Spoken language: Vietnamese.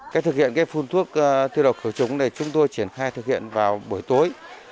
cách thực hiện phun thuốc tiêu độc khử trùng chúng tôi triển khai thực hiện vào buổi tối